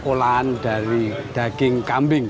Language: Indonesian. olahan dari daging kambing